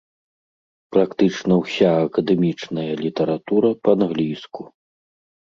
Практычна ўся акадэмічная літаратура па-англійску.